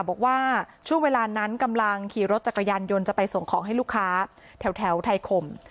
บอกว่าช่วงเวลานั้นกำลังขี่รถจักรยานยนต์จะไปส่งของให้ลูกค้าแถวไทยคม